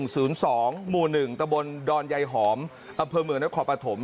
ทุนสองหมู่หนึ่งตะบนดอนใยหอมประเภอเมืองและขอบประถม